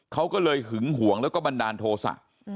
เขาก็เลยหึงห่วงแล้วก็บันดาลโทษะ